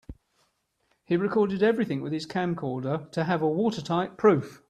He recorded everything with his camcorder to have a watertight proof.